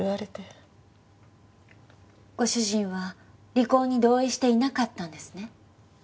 ご主人は離婚に同意していなかったんですね？